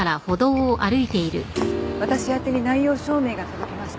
私宛てに内容証明が届きました。